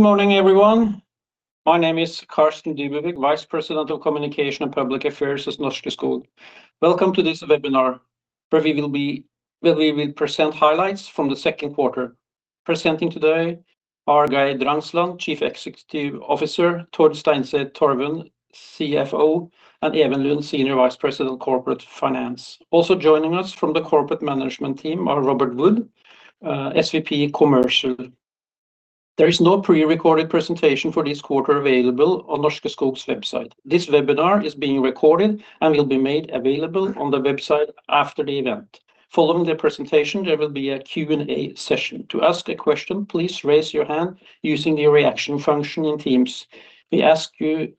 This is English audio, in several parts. Good morning, everyone. My name is Carsten Dybevig, Vice President of Communication and Public Affairs at Norske Skog. Welcome to this webinar where we will present highlights from the second quarter. Presenting today are Geir Drangsland, Chief Executive Officer, Tord Steinset Torvund, Chief Financial Officer, and Even Lund, Senior Vice President of Corporate Finance. Also joining us from the corporate management team are Robert Wood, Senior Vice President Commercial. There is no pre-recorded presentation for this quarter available on Norske Skog's website. This webinar is being recorded and will be made available on the website after the event. Following the presentation, there will be a Q&A session. To ask a question, please raise your hand using the reaction function in Teams. We ask you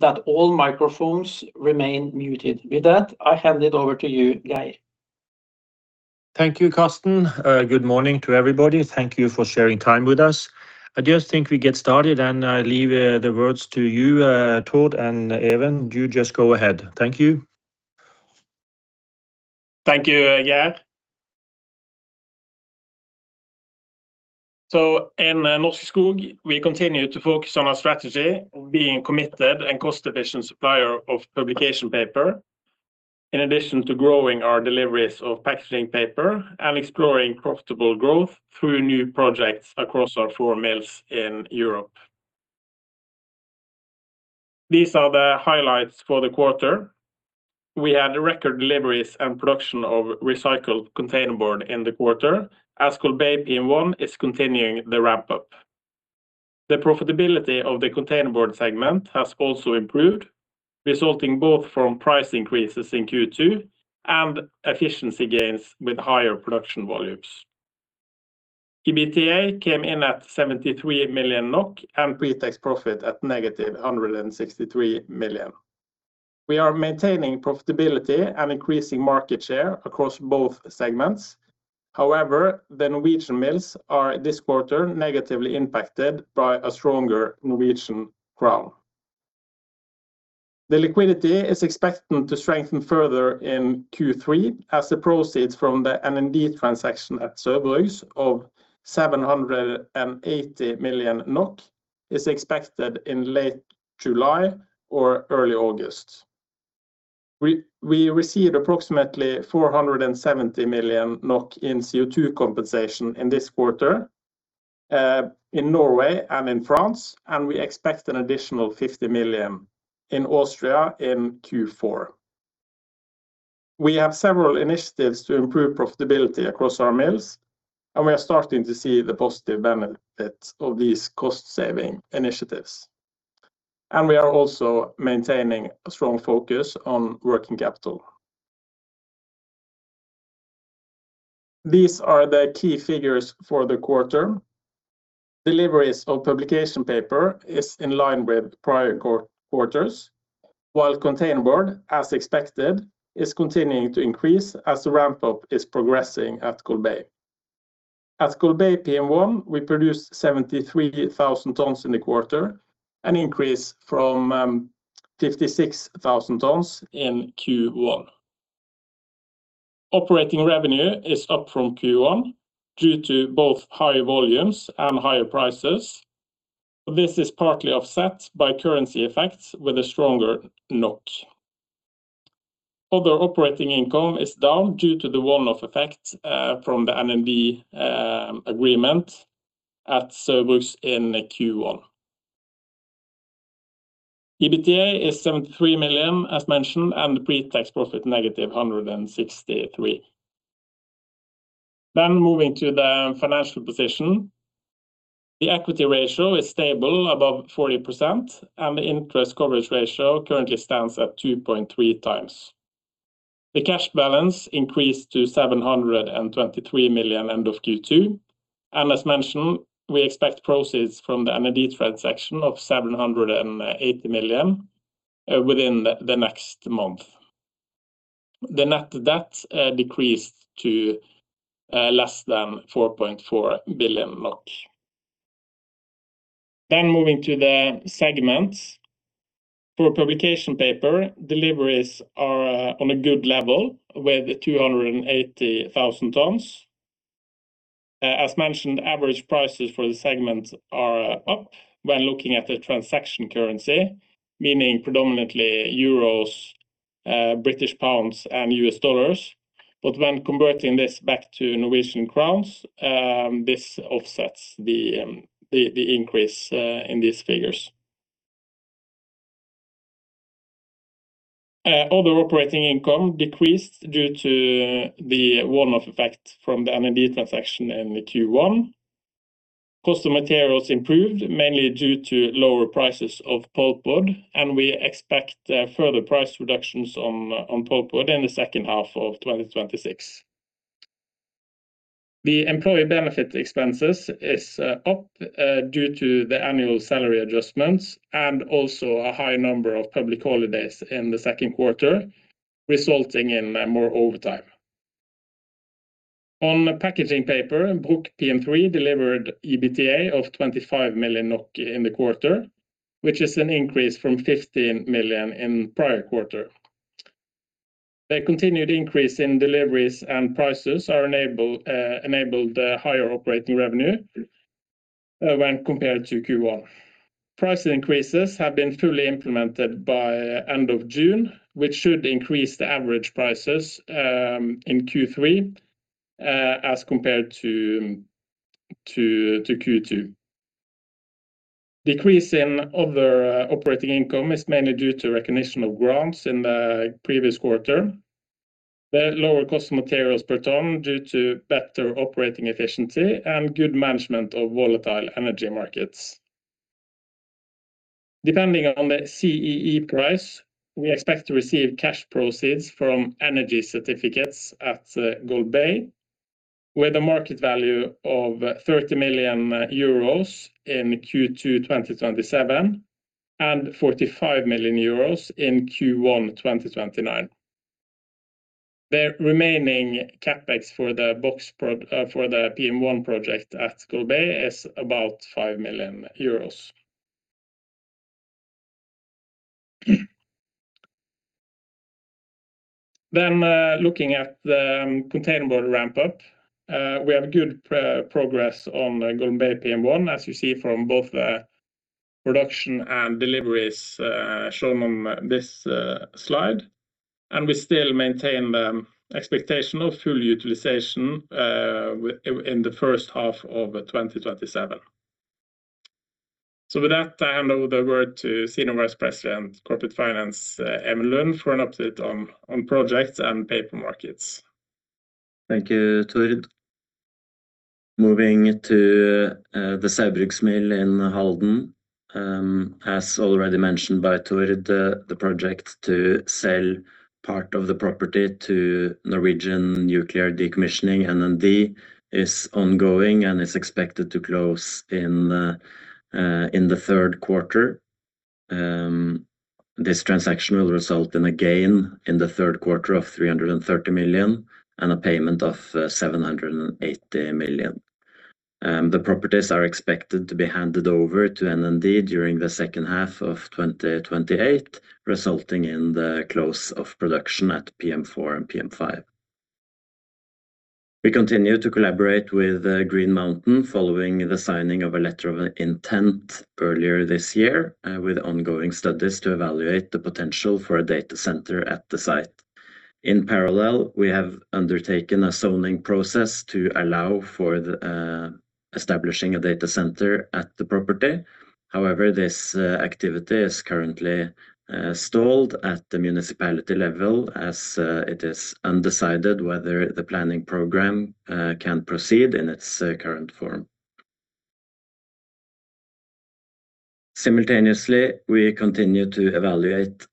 that all microphones remain muted. With that, I hand it over to you, Geir. Thank you, Carsten. Good morning to everybody. Thank you for sharing time with us. I just think we get started, I leave the words to you, Tord and Even. You just go ahead. Thank you. Thank you, Geir. In Norske Skog, we continue to focus on our strategy of being a committed and cost-efficient supplier of publication paper, in addition to growing our deliveries of packaging paper and exploring profitable growth through new projects across our four mills in Europe. These are the highlights for the quarter. We had record deliveries and production of recycled containerboard in the quarter, as Golbey PM1 is continuing the ramp-up. The profitability of the containerboard segment has also improved, resulting both from price increases in Q2 and efficiency gains with higher production volumes. EBITDA came in at 73 million NOK and pre-tax profit at -163 million. We are maintaining profitability and increasing market share across both segments. However, the Norwegian mills are this quarter negatively impacted by a stronger Norwegian crown. The liquidity is expected to strengthen further in Q3 as the proceeds from the NND transaction at Saugbrugs of 780 million NOK is expected in late July or early August. We received approximately 470 million NOK in CO2 compensation in this quarter, in Norway and in France, and we expect an additional 50 million in Austria in Q4. We have several initiatives to improve profitability across our mills, We are starting to see the positive benefits of these cost-saving initiatives. We are also maintaining a strong focus on working capital. These are the key figures for the quarter. Deliveries of publication paper is in line with prior quarters, while containerboard, as expected, is continuing to increase as the ramp-up is progressing at Golbey. At Golbey PM1, we produced 73,000 tons in the quarter, an increase from 56,000 tons in Q1. Operating revenue is up from Q1 due to both higher volumes and higher prices. This is partly offset by currency effects with a stronger NOK. Other operating income is down due to the one-off effect from the NND agreement at Saugbrugs in Q1. EBITDA is 73 million, as mentioned, and pre-tax profit -163 million. Moving to the financial position. The equity ratio is stable above 40%, and the interest coverage ratio currently stands at 2.3 times. The cash balance increased to 723 million end of Q2. As mentioned, we expect proceeds from the NND transaction of 780 million within the next month. The net debt decreased to less than 4.4 billion NOK. Moving to the segments. For publication paper, deliveries are on a good level with 280,000 tons. As mentioned, average prices for the segment are up when looking at the transaction currency, meaning predominantly euros, British pounds, and U.S dollars. When converting this back to Norwegian crowns, this offsets the increase in these figures. Other operating income decreased due to the one-off effect from the NND transaction in Q1. Cost of materials improved mainly due to lower prices of pulpwood, and we expect further price reductions on pulpwood in the second half of 2026. The employee benefit expenses is up due to the annual salary adjustments and also a high number of public holidays in the second quarter, resulting in more overtime. On the packaging paper, Bruck PM3 delivered EBITDA of 25 million NOK in the quarter, which is an increase from 15 million in the prior quarter. The continued increase in deliveries and prices enabled higher operating revenue when compared to Q1. Price increases have been fully implemented by end of June, which should increase the average prices in Q3 as compared to Q2. Decrease in other operating income is mainly due to recognition of grants in the previous quarter. The lower cost of materials per ton due to better operating efficiency and good management of volatile energy markets. Depending on the CEE price, we expect to receive cash proceeds from energy certificates at Golbey, with a market value of 30 million euros in Q2 2027, and 45 million euros in Q1 2029. The remaining CapEx for the PM1 project at Golbey is about 5 million euros. Looking at the containerboard ramp-up, we have good progress on Golbey PM1, as you see from both the production and deliveries shown on this slide. We still maintain the expectation of full utilization in the first half of 2027. With that, I hand over the word to Senior Vice President, Corporate Finance, Even Lund, for an update on projects and paper markets. Thank you, Tord. Moving to the Saugbrugs mill in Halden. As already mentioned by Tord, the project to sell part of the property to Norwegian Nuclear Decommissioning, NND, is ongoing and is expected to close in the third quarter. This transaction will result in a gain in the third quarter of 330 million and a payment of 780 million. The properties are expected to be handed over to NND during the second half of 2028, resulting in the close of production at PM4 and PM5. We continue to collaborate with Green Mountain following the signing of a letter of intent earlier this year, with ongoing studies to evaluate the potential for a data center at the site. In parallel, we have undertaken a zoning process to allow for establishing a data center at the property. This activity is currently stalled at the municipality level as it is undecided whether the planning program can proceed in its current form. Simultaneously, we continue to evaluate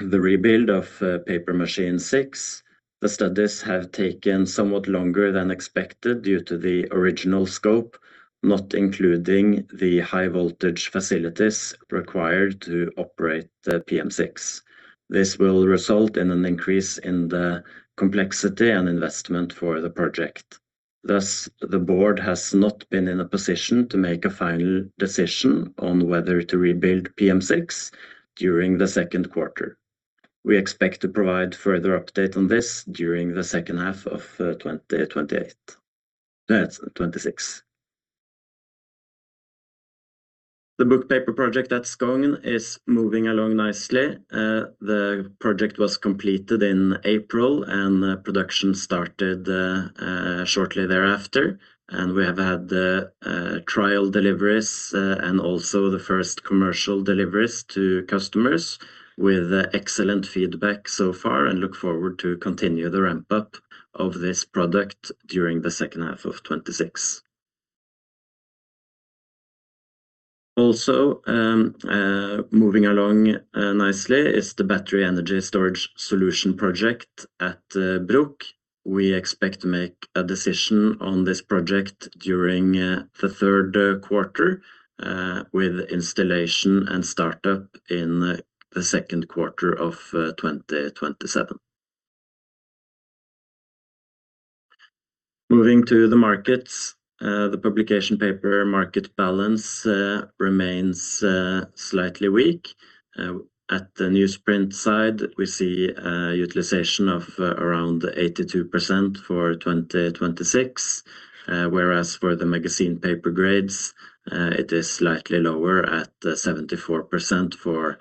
the rebuild of paper machine 6. The studies have taken somewhat longer than expected due to the original scope, not including the high voltage facilities required to operate the PM6. This will result in an increase in the complexity and investment for the project. Thus, the board has not been in a position to make a final decision on whether to rebuild PM6 during the second quarter. We expect to provide further update on this during the second half of 2026. The book paper project at Skogn is moving along nicely. The project was completed in April, and production started shortly thereafter. We have had the trial deliveries, and also the first commercial deliveries to customers with excellent feedback so far, and look forward to continue the ramp-up of this product during the second half of 2026. Also, moving along nicely is the battery energy storage solution project at Bruck. We expect to make a decision on this project during the third quarter, with installation and startup in the second quarter of 2027. Moving to the markets. The publication paper market balance remains slightly weak. At the newsprint side, we see utilization of around 82% for 2026. Whereas for the magazine paper grades, it is slightly lower at 74% for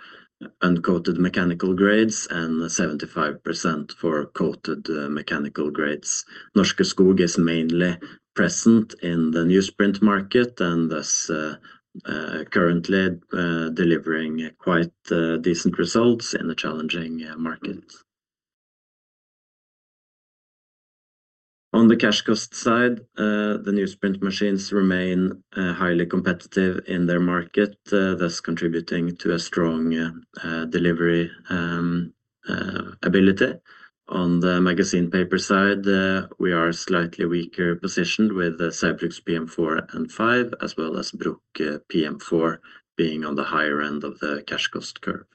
uncoated mechanical grades and 75% for coated mechanical grades. Norske Skog is mainly present in the newsprint market, and thus, currently delivering quite decent results in a challenging market. On the cash cost side, the newsprint machines remain highly competitive in their market, thus contributing to a strong delivery ability. On the magazine paper side, we are slightly weaker positioned with Saugbrugs PM4 and PM5, as well as Bruck PM4 being on the higher end of the cash cost curve.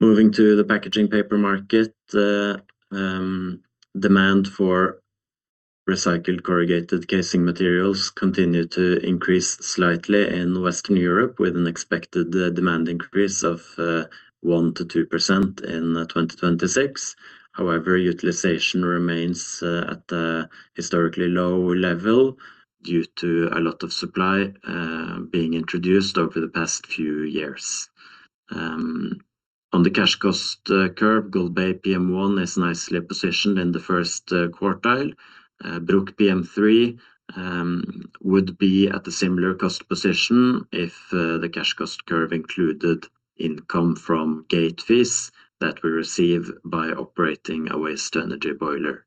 Moving to the packaging paper market, demand for recycled corrugated case materials continued to increase slightly in Western Europe, with an expected demand increase of 1%-2% in 2026. Utilization remains at a historically low level due to a lot of supply being introduced over the past few years. On the cash cost curve, Golbey PM1 is nicely positioned in the first quartile. Bruck PM3 would be at a similar cost position if the cash cost curve included income from gate fees that we receive by operating a waste energy boiler.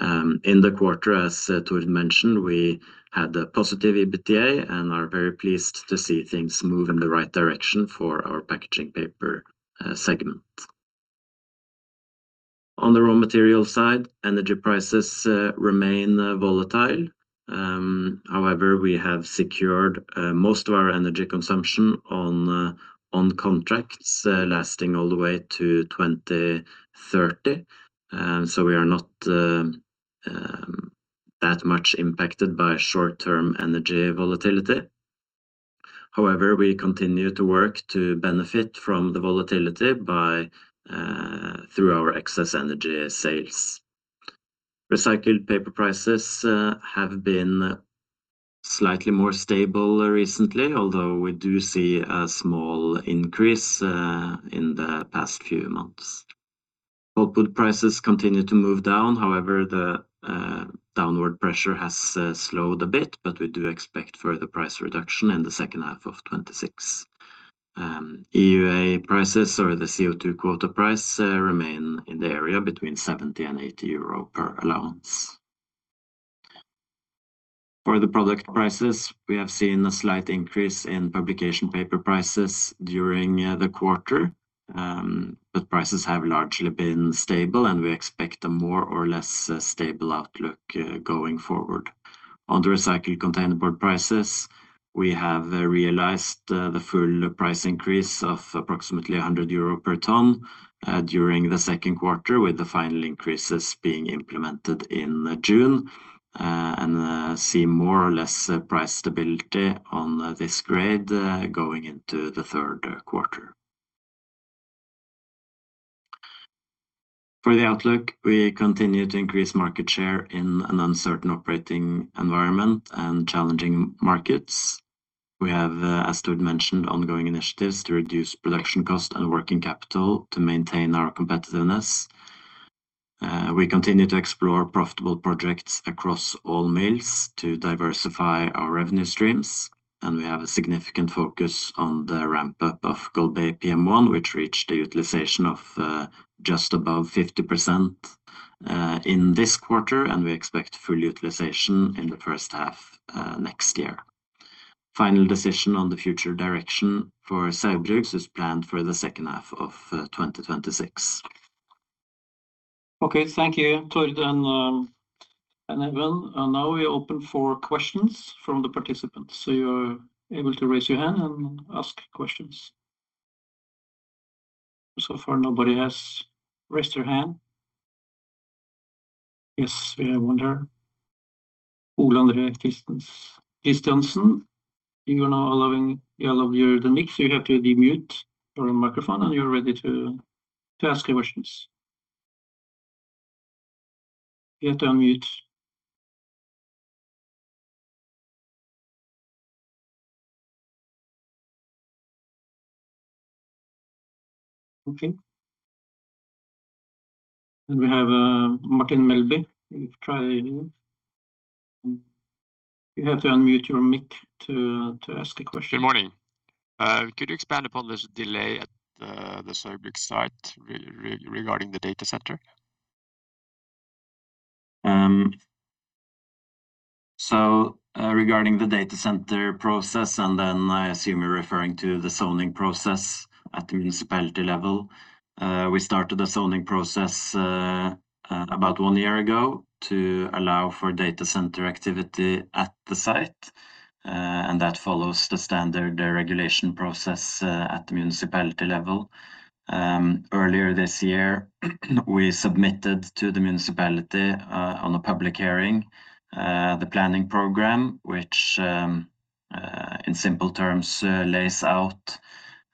In the quarter, as Tord mentioned, we had a positive EBITDA and are very pleased to see things move in the right direction for our packaging paper segment. On the raw material side, energy prices remain volatile. However, we have secured most of our energy consumption on contracts lasting all the way to 2030. We are not that much impacted by short-term energy volatility. However, we continue to work to benefit from the volatility through our excess energy sales. Recycled paper prices have been slightly more stable recently, although we do see a small increase in the past few months. Pulpwood prices continue to move down. However, the downward pressure has slowed a bit, but we do expect further price reduction in the second half of 2026. EUA prices or the CO2 quota price remain in the area between 70 and 80 euro per allowance. For the product prices, we have seen a slight increase in publication paper prices during the quarter. Prices have largely been stable, and we expect a more or less stable outlook going forward. On the recycled containerboard prices, we have realized the full price increase of approximately 100 euro per ton during the second quarter, with the final increases being implemented in June, and see more or less price stability on this grade going into the third quarter. For the outlook, we continue to increase market share in an uncertain operating environment and challenging markets. We have, as Tord mentioned, ongoing initiatives to reduce production cost and working capital to maintain our competitiveness. We continue to explore profitable projects across all mills to diversify our revenue streams, and we have a significant focus on the ramp-up of Golbey PM1, which reached a utilization of just above 50% in this quarter, and we expect full utilization in the first half next year. Final decision on the future direction for Saugbrugs is planned for the second half of 2026. Okay. Thank you, Tord and Even. Now we are open for questions from the participants. You are able to raise your hand and ask questions. So far, nobody has raised their hand. Yes, we have one here. Ole-André Kristensen. You allowed your mic, so you have to unmute your microphone, and you're ready to ask your questions. You have to unmute. Okay. We have Martin Melbye. You try again. You have to unmute your mic to ask a question. Good morning. Could you expand upon this delay at the Saugbrugs site regarding the data center? Regarding the data center process, I assume you're referring to the zoning process at the municipality level. We started the zoning process about one year ago to allow for data center activity at the site, and that follows the standard regulation process at the municipality level. Earlier this year, we submitted to the municipality, on a public hearing, the planning program, which, in simple terms, lays out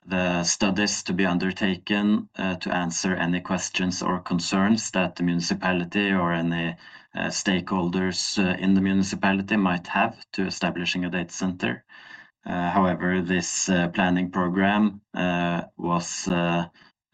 the studies to be undertaken to answer any questions or concerns that the municipality or any stakeholders in the municipality might have to establishing a data center. However, this planning program was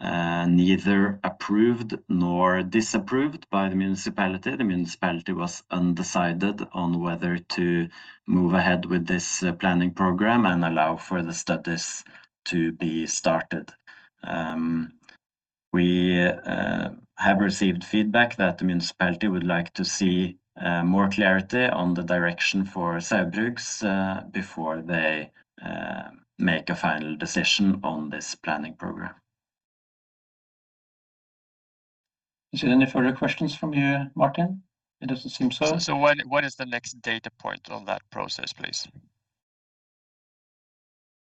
neither approved nor disapproved by the municipality. The municipality was undecided on whether to move ahead with this planning program and allow for the studies to be started. We have received feedback that the municipality would like to see more clarity on the direction for Saugbrugs before they make a final decision on this planning program. Is there any further questions from you, Martin? It doesn't seem so. What is the next data point on that process, please?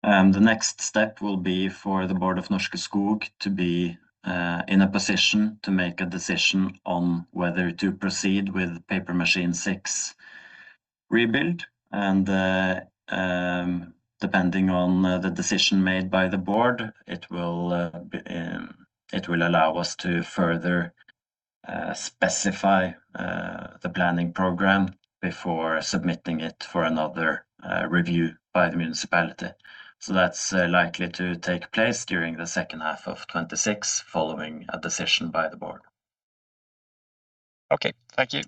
The next step will be for the board of Norske Skog to be in a position to make a decision on whether to proceed with PM6 rebuild. Depending on the decision made by the board, it will allow us to further specify the planning program before submitting it for another review by the municipality. That's likely to take place during the second half of 2026 following a decision by the board. Okay. Thank you.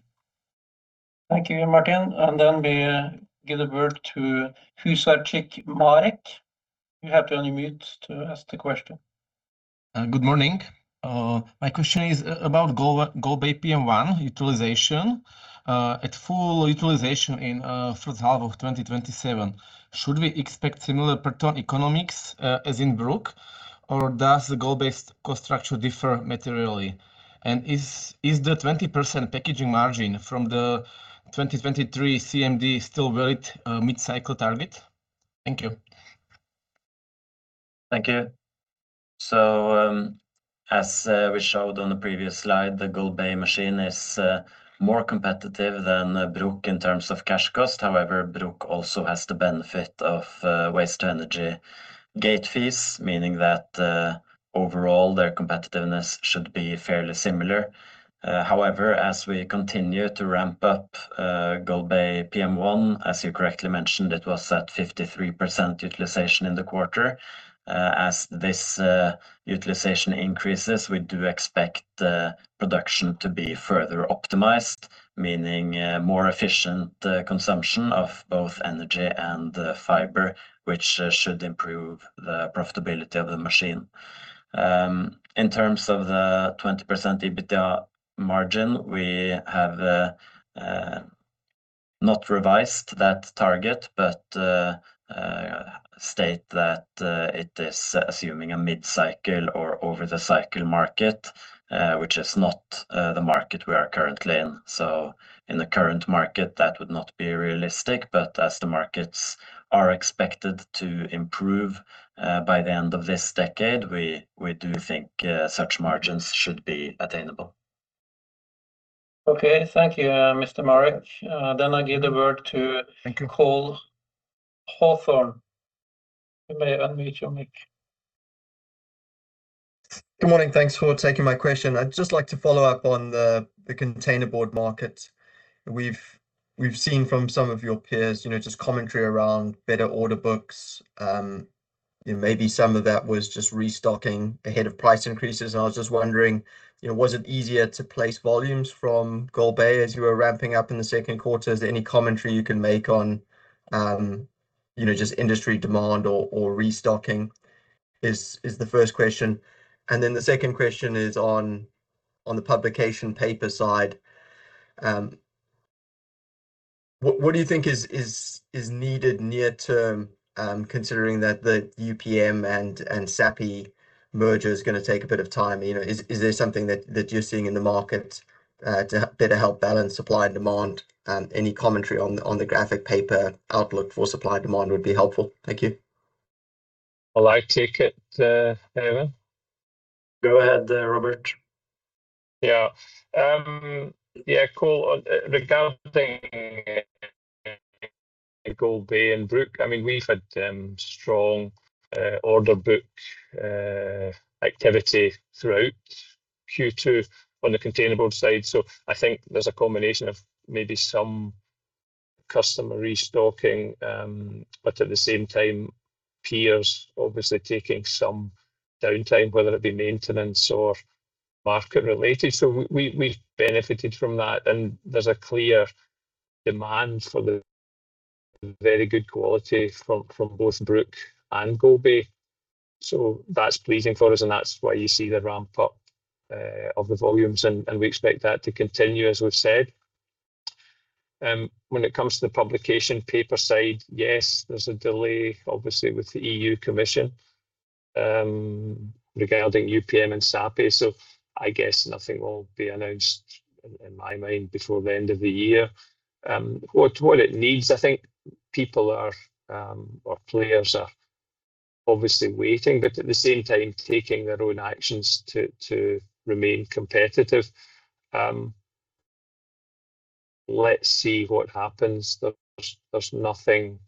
Thank you, Martin. We give the word to [Hanuszek Marek]. You have to unmute to ask the question. Good morning. My question is about Golbey PM1 utilization. At full utilization in first half of 2027, should we expect similar pattern economics as in Bruck, or does the Golbey cost structure differ materially? Is the 20% packaging margin from the 2023 CMD still valid mid-cycle target? Thank you. Thank you. As we showed on the previous slide, the Golbey machine is more competitive than Bruck in terms of cash cost. However, Bruck also has the benefit of waste to energy gate fees, meaning that overall their competitiveness should be fairly similar. However, as we continue to ramp up Golbey PM1, as you correctly mentioned, it was at 53% utilization in the quarter. As this utilization increases, we do expect production to be further optimized, meaning more efficient consumption of both energy and fiber, which should improve the profitability of the machine. In terms of the 20% EBITDA margin, we have not revised that target, but state that it is assuming a mid-cycle or over the cycle market, which is not the market we are currently in. In the current market, that would not be realistic, but as the markets are expected to improve, by the end of this decade, we do think such margins should be attainable. Okay. Thank you. I give the word. Thank you Cole Hathorn. You may unmute your mic. Good morning. Thanks for taking my question. I'd just like to follow up on the containerboard market. We've seen from some of your peers just commentary around better order books. Maybe some of that was just restocking ahead of price increases, and I was just wondering, was it easier to place volumes from Golbey as you were ramping up in the 2Q? Is there any commentary you can make on just industry demand or restocking? Is the first question. The second question is on the publication paper side. What do you think is needed near term, considering that the UPM and Sappi merger is going to take a bit of time? Is there something that you're seeing in the market to better help balance supply and demand? Any commentary on the graphic paper outlook for supply demand would be helpful. Thank you. I take it, Even. Go ahead, Robert. Cole, regarding Golbey and Bruck, we've had strong order book activity throughout Q2 on the containerboard side. I think there's a combination of maybe some customer restocking, but at the same time, peers obviously taking some downtime, whether it be maintenance or market related. We've benefited from that, and there's a clear demand for the very good quality from both Bruck and Golbey. That's pleasing for us, and that's why you see the ramp up of the volumes, and we expect that to continue, as we've said. When it comes to the publication paper side, yes, there's a delay, obviously, with the European Commission regarding UPM and Sappi. I guess nothing will be announced in my mind before the end of the year. What it needs, I think people are, or players are obviously waiting, but at the same time taking their own actions to remain competitive. Let's see what happens. There's nothing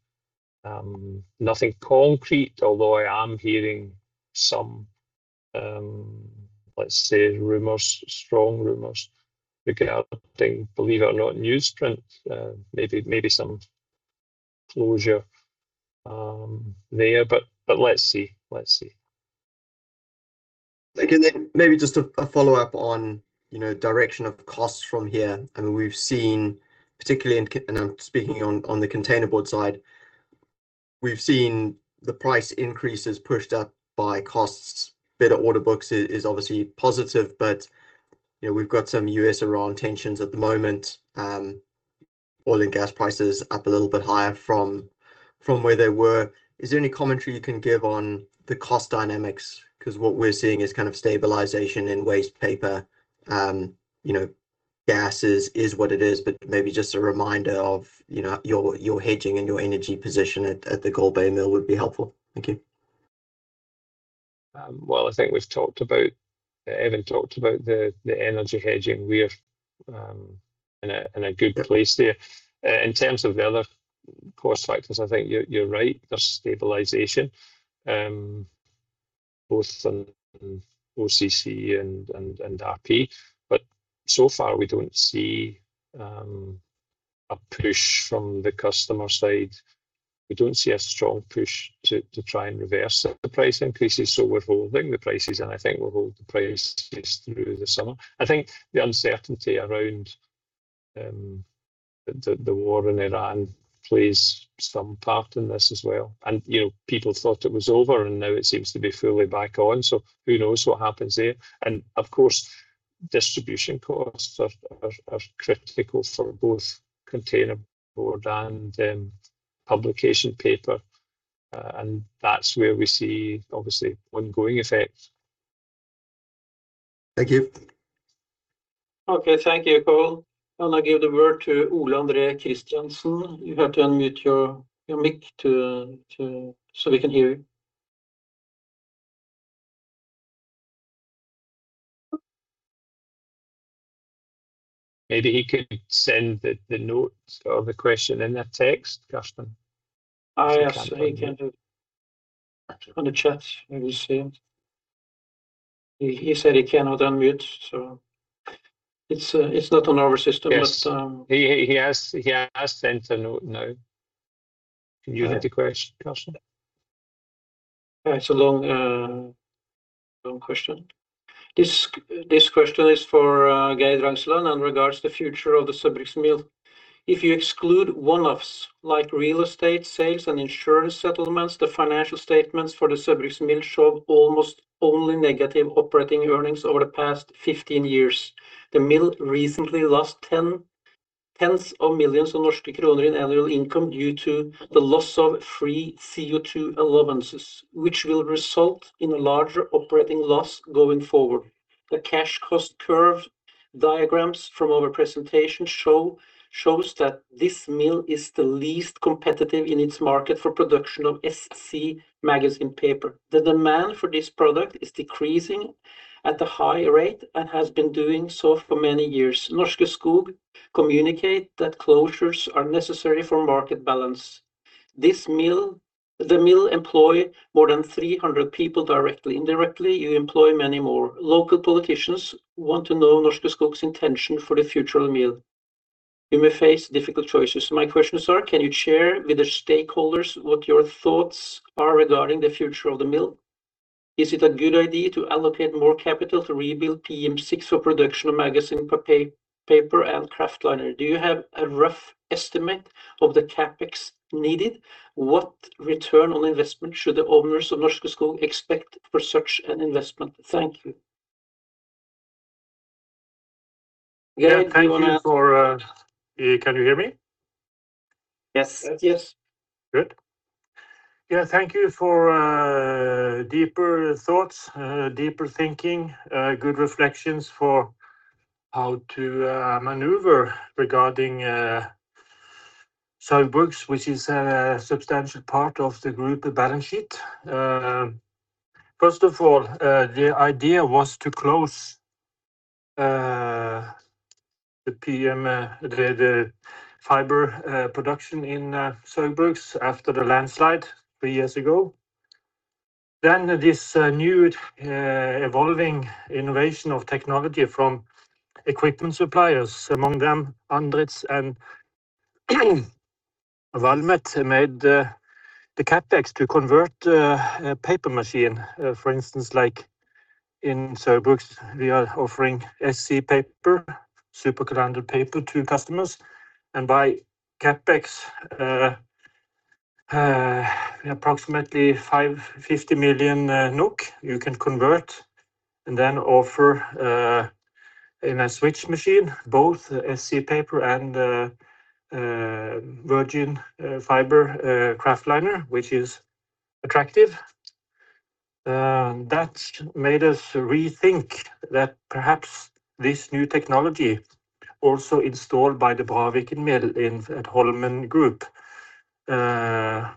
concrete, although I am hearing some, let's say rumors, strong rumors regarding, believe it or not, newsprint, maybe some closure there. Let's see. Maybe just a follow-up on direction of costs from here. We've seen, particularly in I'm speaking on the containerboard side. We've seen the price increases pushed up by costs. Better order books is obviously positive, but we've got some U.S-Iran tensions at the moment, Oil and gas prices up a little bit higher from where they were. Is there any commentary you can give on the cost dynamics? Because what we're seeing is kind of stabilization in waste paper. Gases is what it is, maybe just a reminder of your hedging and your energy position at the Golbey mill would be helpful. Thank you. I think Even talked about the energy hedging. We're in a good place there. In terms of the other cost factors, I think you're right. There's stabilization, both in OCC and RP, so far we don't see a push from the customer side. We don't see a strong push to try and reverse the price increases, we're holding the prices, and I think we'll hold the prices through the summer. I think the uncertainty around the war in Iran plays some part in this as well. People thought it was over, now it seems to be fully back on, who knows what happens there. Of course, distribution costs are critical for both containerboard and publication paper. That's where we see, obviously, ongoing effects. Thank you. Okay. Thank you, Cole. I will now give the word to Ole-Petter Sjøvold. You have to unmute your mic so we can hear you. Maybe he could send the notes or the question in a text, Carsten. Yes, he can do. Okay. On the chat, he said. He said he cannot unmute, so it's not on our system. Yes. He has sent a note now. You have the question, Carsten. It's a long question. This question is for Geir Drangsland in regards to the future of the Saugbrugs mill. If you exclude one-offs like real estate sales and insurance settlements, the financial statements for the Saugbrugs mill show almost only negative operating earnings over the past 15 years. The mill recently lost tens of millions of NOK in annual income due to the loss of free CO2 allowances, which will result in a larger operating loss going forward. The cash cost curve diagrams from our presentation shows that this mill is the least competitive in its market for production of SC magazine paper. The demand for this product is decreasing at a high rate and has been doing so for many years. Norske Skog communicate that closures are necessary for market balance. The mill employ more than 300 people directly. Indirectly, you employ many more. Local politicians want to know Norske Skog's intention for the future of the mill. You may face difficult choices. My questions are: can you share with the stakeholders what your thoughts are regarding the future of the mill? Is it a good idea to allocate more capital to rebuild PM6 for production of magazine paper and kraftliner? Do you have a rough estimate of the CapEx needed? What return on investment should the owners of Norske Skog expect for such an investment? Thank you. Geir, do you want to Can you hear me? Yes. Yes. Good. Yeah, thank you for deeper thoughts, deeper thinking, good reflections for how to maneuver regarding Saugbrugs, which is a substantial part of the group balance sheet. First of all, the idea was to close the PM3, the fiber production in Saugbrugs after the landslide three years ago. This new evolving innovation of technology from equipment suppliers, among them Andritz and Valmet, made the CapEx to convert a paper machine. For instance, like in Saugbrugs, we are offering SC paper, supercalendered paper to customers, and by CapEx, approximately 550 million NOK you can convert and then offer in a switch machine, both SC paper and virgin fiber kraftliner, which is attractive. That made us rethink that perhaps this new technology also installed by the Braviken mill at Holmen Group,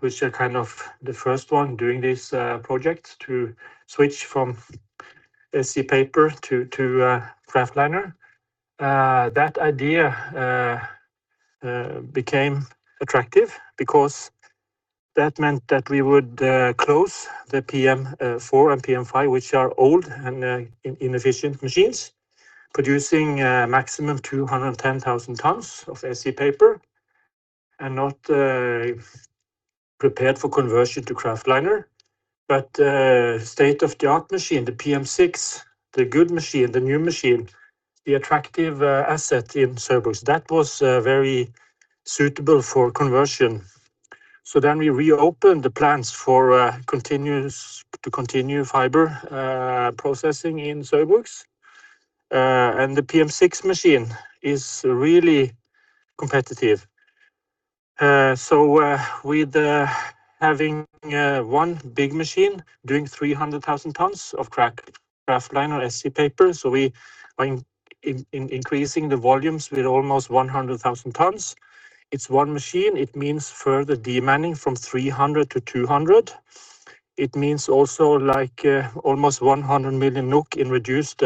which are kind of the first one doing this project to switch from SC paper to kraftliner. That idea became attractive because that meant that we would close the PM4 and PM5, which are old and inefficient machines producing a maximum 210,000 tons of SC paper and not prepared for conversion to kraftliner. State-of-the-art machine, the PM6, the good machine, the new machine, the attractive asset in Saugbrugs, that was very suitable for conversion. We reopen the plants to continue fiber processing in Saugbrugs. The PM6 machine is really competitive. With having one big machine doing 300,000 tons of kraftliner SC paper, we are increasing the volumes with almost 100,000 tons. It's one machine. It means further de-manning from 300-200. It means also almost 100 million NOK in reduced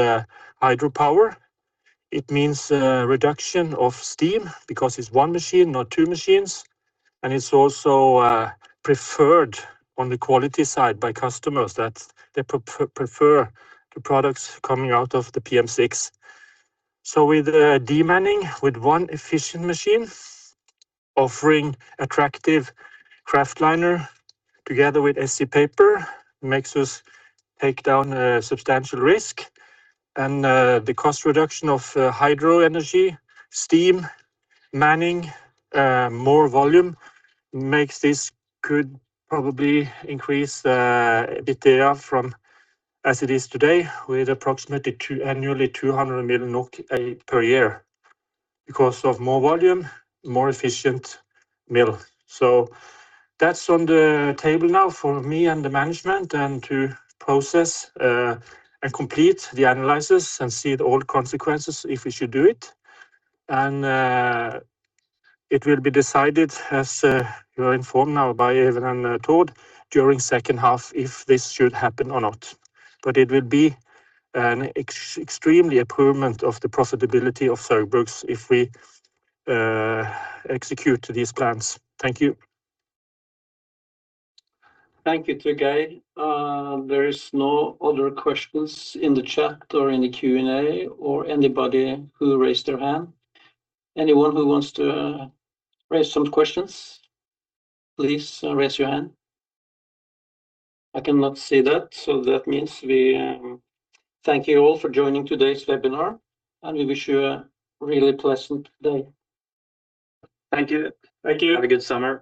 hydropower. It means a reduction of steam because it's one machine, not two machines, and it's also preferred on the quality side by customers that they prefer the products coming out of the PM6. With de-manning with one efficient machine offering attractive kraftliner together with SC paper makes us take down a substantial risk. The cost reduction of hydro energy, steam, manning, more volume could probably increase EBITDA from as it is today with approximately annually 200 million NOK per year because of more volume, more efficient mill. That's on the table now for me and the management, and to process and complete the analysis and see all the consequences if we should do it. It will be decided, as you are informed now by Even and Tord, during second half if this should happen or not. It will be an extremely improvement of the profitability of Saugbrugs if we execute these plans. Thank you. Thank you to Geir. There is no other questions in the chat or in the Q&A or anybody who raised their hand. Anyone who wants to raise some questions, please raise your hand. I cannot see that, so that means we thank you all for joining today's webinar, and we wish you a really pleasant day. Thank you. Thank you. Have a good summer.